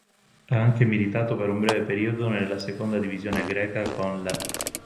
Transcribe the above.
Ha anche militato per un breve periodo nella seconda divisione greca con l'.